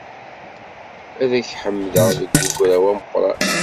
Ad k-ḥemdeɣ deg ugraw ameqqran.